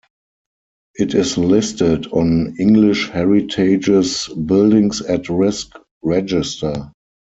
It is listed on English Heritage's Buildings At Risk register.